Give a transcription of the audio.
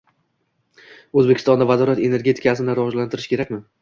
O‘zbekistonda vodorod energetikasini rivojlantirish kerakmi?ng